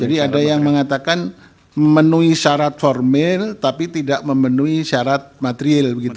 jadi ada yang mengatakan memenuhi syarat formal tapi tidak memenuhi syarat material gitu